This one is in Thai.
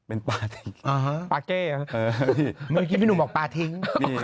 เมื่อกี้พี่หนุ่มบอกปลาทิ้ง